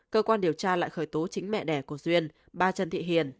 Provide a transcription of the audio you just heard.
cơ quan điều tra lại khởi tố chính mẹ đẻ của duyên ba chân thị hiền